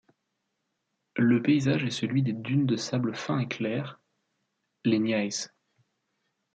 Le paysage est celui des dunes de sable fin et clair, les Niayes.